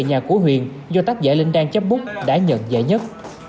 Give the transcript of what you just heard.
nhà của huyền do tác giả linh đan chấp bút đã nhận giải nhất